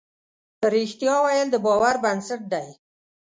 رښتیا ویل د باور بنسټ دی.